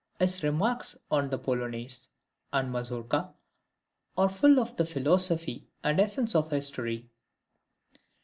His remarks on the Polonaise and Mazourka are full of the philosophy and essence of history.